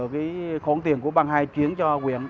cái khoản tiền của bằng hai chuyến cho huyện